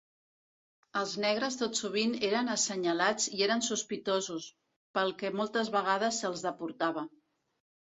Els negres tot sovint eren assenyalats i eren sospitosos, pel que moltes vegades se'ls deportava.